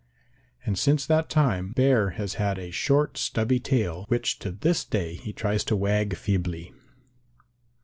And since that time Bear has had a short stubby tail which to this day he tries to wag feebly.